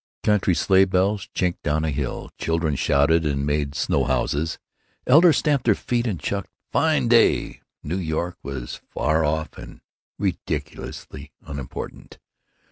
Country sleigh bells chinkled down a hill; children shouted and made snow houses; elders stamped their feet and clucked, "Fine day!" New York was far off and ridiculously unimportant.